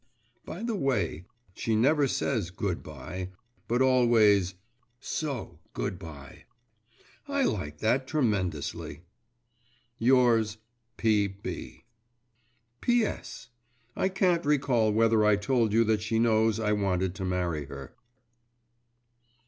By the way, she never says 'Good bye,' but always, 'So, good bye!' I like that tremendously. Yours, P. B. P.S. I can't recollect whether I told you that she knows I wanted to marry her.